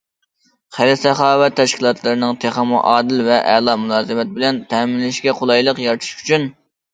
خەير- ساخاۋەت تەشكىلاتلىرىنىڭ تېخىمۇ ئادىل ۋە ئەلا مۇلازىمەت بىلەن تەمىنلىشىگە قولايلىق يارىتىش ئۈچۈن.